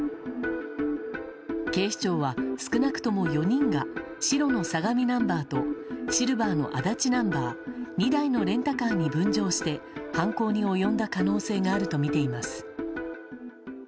警視庁は少なくとも４人が白の相模ナンバーとシルバーの足立ナンバー２台のレンタカーに分乗して犯行に及んだ可能性があるとみています。